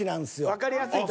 わかりやすい。